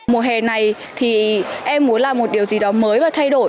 mùa hè này thì em muốn làm một điều gì đó mới và thay đổi